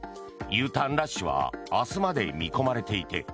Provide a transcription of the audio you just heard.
Ｕターンラッシュは明日まで見込まれていて